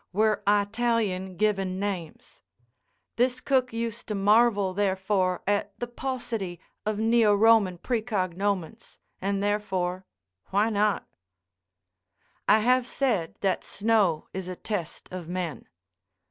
were Italian given names; this cook used to marvel therefore at the paucity of Neo Roman precognomens, and therefore why not— I have said that snow is a test of men.